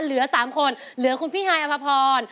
เหลือ๓คนเหลือคุณพี่ฮายอภพร